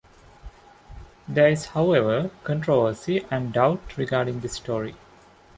There is however, controversy and doubt regarding this story.